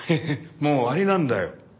もう終わりなんだよ。